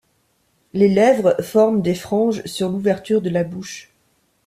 Les lèvres forment des franges sur l'ouverture de la bouche.